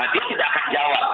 dia tidak akan jawab